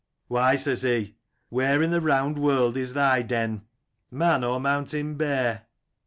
24 "'Why,' says he, 'where in the round world is thy den, man or mountain bear?"